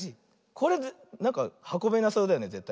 これなんかはこべなそうだよねぜったい。